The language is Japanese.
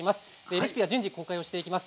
レシピは順次公開していきます。